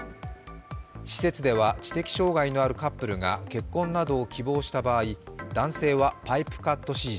施設では知的障害のあるカップルが結婚などを希望した場合男性はパイプカット手術